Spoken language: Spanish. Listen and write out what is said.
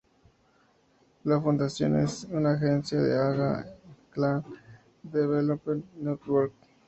La fundación es una agencia de la Aga Khan Development Network.